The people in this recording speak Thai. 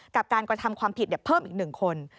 กับการกระทำความผิดเพิ่มอีก๑คน